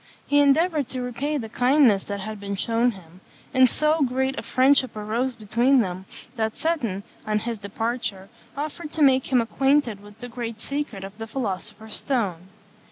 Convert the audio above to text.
He endeavoured to repay the kindness that had been shewn him; and so great a friendship arose between them that Seton, on his departure, offered to make him acquainted with the great secret of the philosopher's stone.